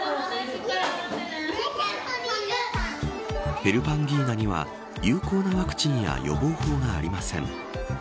ヘルパンギーナには有効なワクチンや予防法がありません。